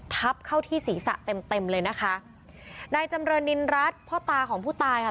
ทับเข้าที่ศีรษะเต็มเต็มเลยนะคะนายจำเรินนินรัฐพ่อตาของผู้ตายค่ะ